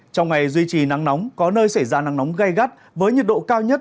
trong ngày duy trì nắng nóng có nơi xảy ra nắng nóng gai gắt với nhiệt độ cao nhất